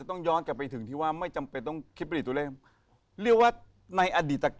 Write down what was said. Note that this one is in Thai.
เรียกได้ว่าเป็นหมูขั้นเทพจริง